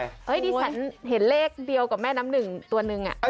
ที่ฉันเห็นเลขเดียวกับแม่น้ำหนึ่งตัวนึง